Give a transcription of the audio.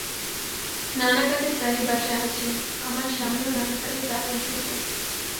নানা কাজে প্রায়ই বাসায় আসেন, আমার স্বামীও নানা কাজে তাঁর বাসায় যান।